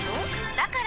だから！